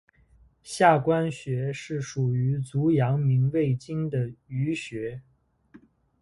下关穴是属于足阳明胃经的腧穴。